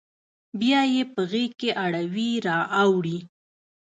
بیا یې په غیږ کې اړوي را اوړي